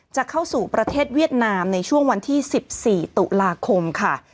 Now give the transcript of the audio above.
จะเข้าสู่ประเทศเวียดนามในช่วงวันที่๑๔ตุลาคมค่ะ